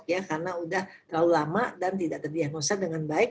karena sudah terlalu lama dan tidak terdiagnosa dengan baik